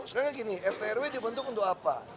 sekarang gini rt rw dibentuk untuk apa